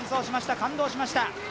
感動しました。